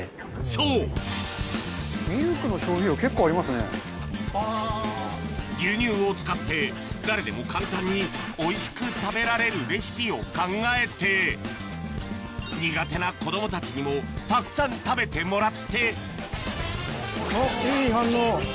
そう牛乳を使って誰でも簡単においしく食べられるレシピを考えてたくさん食べてもらっておっいい反応。